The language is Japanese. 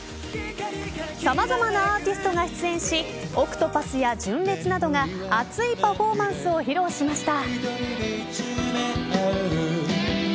さまざまなアーティストが出演しＯＣＴＰＡＴＨや純烈などが熱いパフォーマンスを披露しました。